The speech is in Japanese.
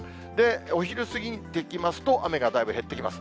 お昼過ぎてきますと、雨がだいぶ減ってきます。